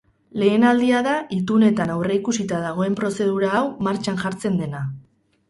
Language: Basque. Lehen aldia da itunetan aurreikusita dagoen prozedura hau martxan jartzen dena.